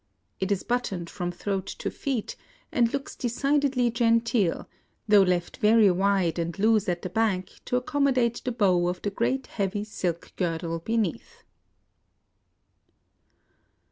It is buttoned from throat to feet, and looks decidedly genteel, though left very wide and loose at the back to accommodate the bow of the great heavy silk girdle beneath.